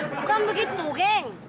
bukan begitu geng